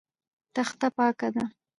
تخته پاکه ده.